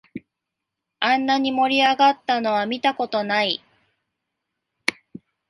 あんなに盛り上がったのは見たことない